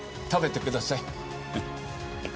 食べてください。